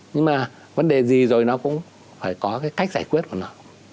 nhưng mà vấn đề gì rồi nó cũng phải có cái cách giải quyết của nó